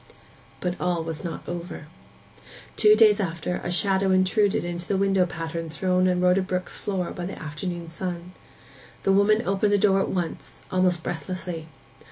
But all was not over. Two days after, a shadow intruded into the window pattern thrown on Rhoda Brook's floor by the afternoon sun. The woman opened the door at once, almost breathlessly.